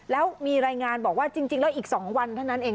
แล้วมีรายงานบอกว่าจริงแล้วอีก๒วันเท่านั้นเอง